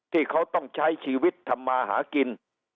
ที่เขาต้องใช้ชีวิตทำมาหากิน